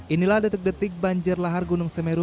inilah detik detik banjir lahar gunung semeru